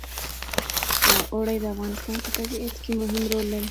اوړي د افغانستان په طبیعت کې مهم رول لري.